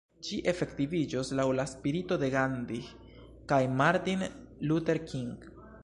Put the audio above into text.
Ĝi efektiviĝos laŭ la spirito de Gandhi kaj Martin Luther King.